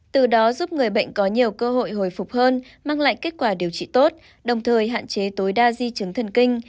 từ đó giúp người bệnh có nhiều cơ hội hồi phục hơn mang lại kết quả điều trị tốt đồng thời hạn chế tối đa di chứng thần kinh